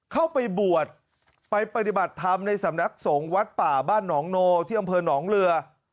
เข้าไปบวชไปปฏิบัติธรรมในสำนักสงฆ์วัดป่าบ้านหนองโนที่อำเภอหนองเรือ